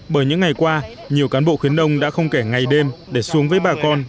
bởi những ngày qua nhiều cán bộ khuyến đông đã không kể ngày đêm để xuống với bà con